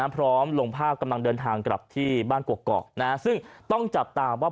พร้อมลงภาพกำลังเดินทางกลับที่บ้านกกอกซึ่งต้องจับตาว่า